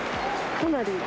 かなり。